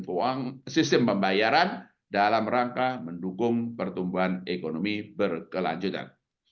guna memperkuat stabilitas sistem pembayaran dalam rangka mendukung pertumbuhan ekonomi berkelanjutan